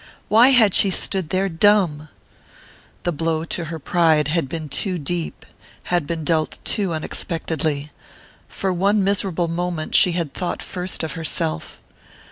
Why had she stood there dumb? The blow to her pride had been too deep, had been dealt too unexpectedly for one miserable moment she had thought first of herself!